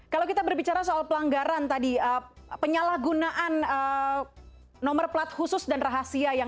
kalau kita berbicara soal pelanggaran tadi penyalahgunaan nomor plat khusus dan rahasia